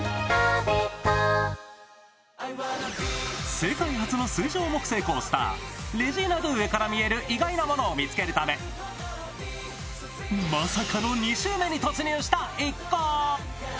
世界初の水上木製コースター、レジーナⅡから見える意外なものを見つけるためまさかの２周目に突入した一行。